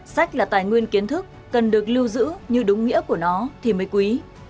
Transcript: sách là tài nguyên kiến thức cần được lưu giữ như đúng nghĩa của nó thì mới quý